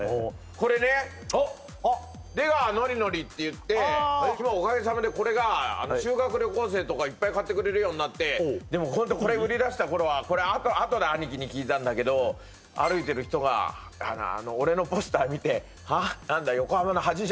これね出川のりのりっていっておかげさまでこれが修学旅行生とかいっぱい買ってくれるようになってでもホントこれ売り出した頃はこれあとで兄貴に聞いたんだけど歩いてる人が俺のポスター見て「はあ？何だ」